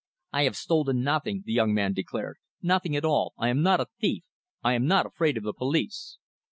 "I have stolen nothing," the young man declared, "nothing at all. I am not a thief. I am not afraid of the police."